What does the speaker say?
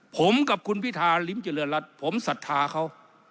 ผมกับคุณพิธาริมเจริญรัฐผมศรัทธาเขา